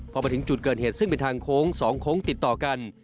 พอมาถึงจุดเกิดเหตุซึ่งเป็นทางโค้ง๒โค้งติดต่อกัน